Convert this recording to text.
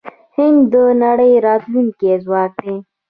هند د نړۍ راتلونکی ځواک دی.